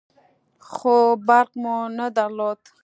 خو برق مو نه درلود.